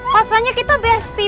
pasalnya kita besti